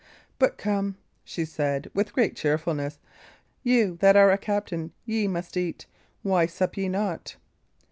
"But come," she said, with great cheerfulness, "you that are a captain, ye must eat. Why sup ye not?"